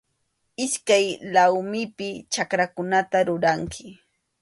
Iskay laymipi chakrakunata ruranki.